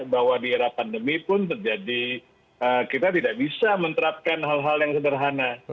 bahwa di era pandemi pun terjadi kita tidak bisa menerapkan hal hal yang sederhana